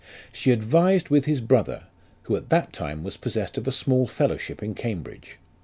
She advised with his brother, who at that time was possessed of a small fellowship in Cambridge.